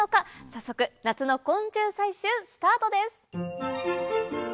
早速夏の昆虫採集スタートです！